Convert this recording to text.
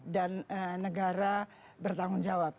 dan negara bertanggung jawab